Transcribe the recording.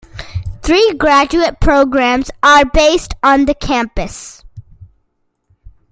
Three graduate programs are based on the campus.